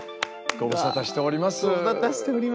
ご無沙汰しております。